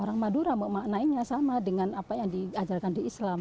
orang madura memaknainya sama dengan apa yang diajarkan di islam